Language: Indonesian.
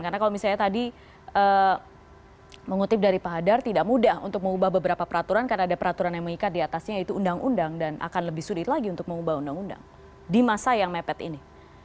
karena kalau misalnya tadi mengutip dari pak hadar tidak mudah untuk mengubah beberapa peraturan karena ada peraturan yang mengikat diatasnya yaitu undang undang dan akan lebih sulit lagi untuk mengubah undang undang di masa yang mepet ini